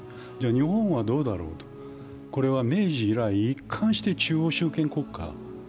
日本はどうだろうと、これは明治以来一貫して中央集権国家。